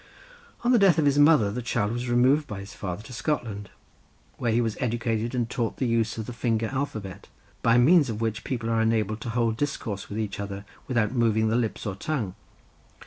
On the death of his mother the child was removed by his father to Scotland, where he was educated and taught the use of the finger alphabet, by means of which people are enabled to hold discourse with each other, without moving the lips or tongue.